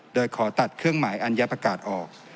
โดยขอตัดเครื่องหมายอัญญประกาศออก